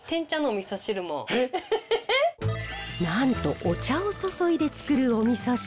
なんとお茶を注いでつくるお味噌汁。